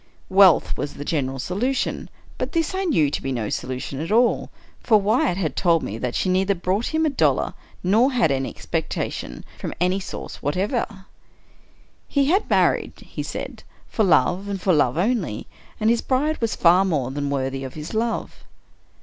Wealth was the general solu tion — but this I knew to be no solution at all ; for Wyatt had told me that she neither brought him a dollar nor had any expectations from any source whatever. " He had married," he said, "for love, and for love only; and his bride was far more than worthy of his love."